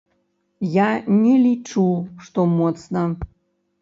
Я не лічу, што моцна.